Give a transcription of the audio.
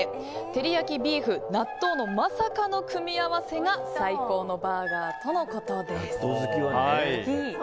照り焼き、ビーフ、納豆のまさかの組み合わせが最高のバーガーとのことです。